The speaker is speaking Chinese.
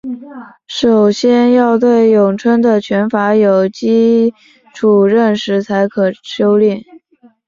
首先要对咏春的拳法有基础认识才可修练。